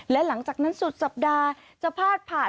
และหลังจากนั้นสุดสัปดาห์จะพาดผ่าน